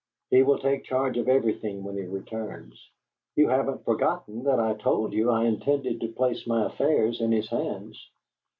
He will take charge of everything when he returns. You haven't forgotten that I told you I intended to place my affairs in his hands?"